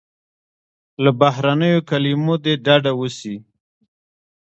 له بهرنیو کلیمو دې ډډه وسي.